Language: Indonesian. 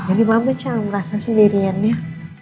jadi mau bercampur rasa sendiriannya